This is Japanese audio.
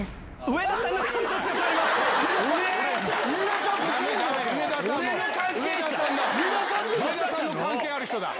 上田さんの関係ある人だ！